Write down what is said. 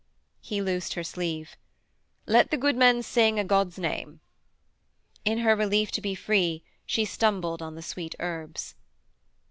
He loosed her sleeve. 'Let the good men sing, 'a God's name.' In her relief to be free she stumbled on the sweet herbs.